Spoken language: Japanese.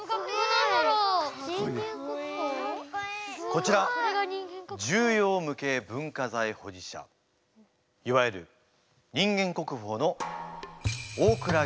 こちら重要無形文化財保持者いわゆる人間国宝の大倉源次郎でございます。